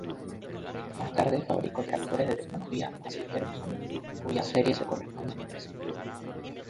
Más tarde fabricó tractores de tecnología Massey Ferguson, cuyas series se corresponden entre sí.